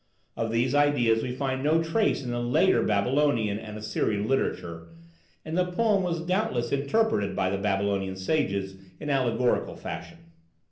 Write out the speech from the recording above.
Of these ideas we find no trace in the later Babylonian and Assyrian literature, and the poem was doubtless interpreted by the Babylonian sages in allegorical fashion.